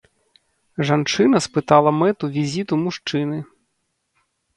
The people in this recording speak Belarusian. Жанчына спытала мэту візіту мужчыны.